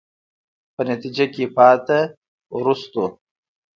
په نتیجه کې پاتې، وروستو.